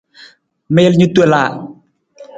Miil ni tola.